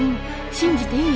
信じていい？